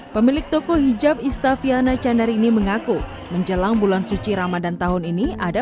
pemilik toko hijab istafiana candarini mengaku menjelang bulan suci ramadhan tahun ini ada